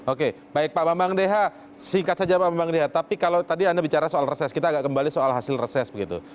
oke baik pak bambang deha singkat saja pak bambang deha tapi kalau tadi anda bicara soal reses kita agak kembali soal hasil reses begitu